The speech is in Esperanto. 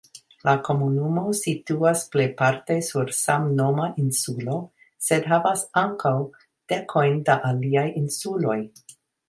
La komunumo situas plejparte sur samnoma insulo, sed havas ankaŭ dekojn da aliaj insuloj.